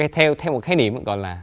theo một khái niệm gọi là